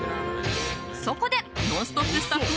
そこで「ノンストップ！」